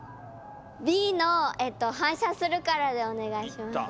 Ｂの反射するからでお願いします。